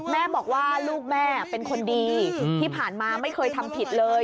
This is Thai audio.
แม่บอกว่าลูกแม่เป็นคนดีที่ผ่านมาไม่เคยทำผิดเลย